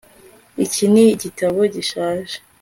iki ni igitabo gishaje